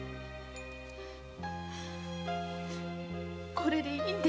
これでいいんです。